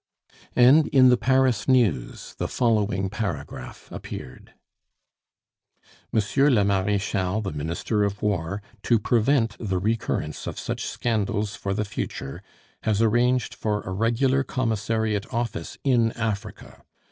And in the Paris News the following paragraph appeared: "Monsieur le Marechal the Minister of War, to prevent the recurrence of such scandals for the future, has arranged for a regular Commissariat office in Africa.